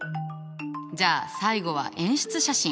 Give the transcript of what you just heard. じゃあ最後は演出写真。